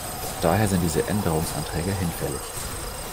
Daher sind diese Änderungsanträge hinfällig.